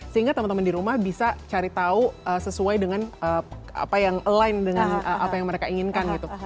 sehingga teman teman di rumah bisa cari tahu sesuai dengan apa yang align dengan apa yang mereka inginkan gitu